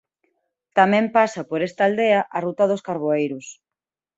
Tamén pasa por esta aldea a ruta dos carboeiros.